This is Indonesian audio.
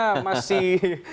pak gatot tampaknya masih